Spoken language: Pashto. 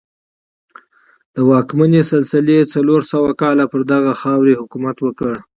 د واکمنۍ سلسله یې څلور سوه کاله پر دغې خاوره حکومت وکړ